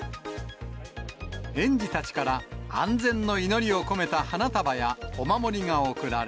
園児たちから、安全の祈りを込めた花束やお守りが贈られ。